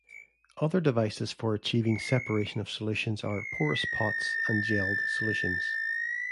Other devices for achieving separation of solutions are porous pots and gelled solutions.